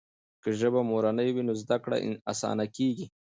که ژبه مورنۍ وي نو زده کړه اسانه کېږي.